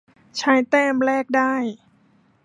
ใช้แต้มแลกได้